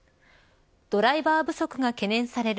ドライバー不足が懸念される